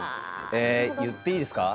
言っていいですか？